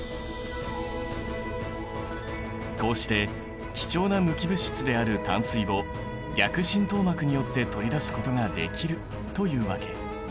こうして貴重な無機物質である淡水を逆浸透膜によって取り出すことができるというわけ。